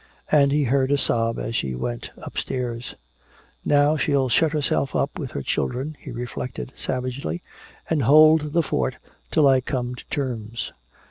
And he heard a sob as she went upstairs. "Now she'll shut herself up with her children," he reflected savagely, "and hold the fort till I come to terms!"